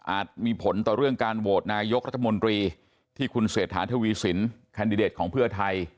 มีผลต่อเรื่องการโหวตนายกรัฐมนตรีที่คุณเศรษฐาทวีสินแคนดิเดตของเพื่อไทย